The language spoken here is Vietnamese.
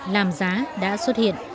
làm giá đã xuất hiện